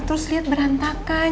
terus liat berantakan